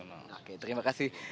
oke terima kasih